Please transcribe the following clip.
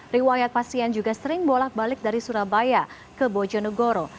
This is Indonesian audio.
riwayat pasien juga sering bolak balik dari surabaya ke bojonegoro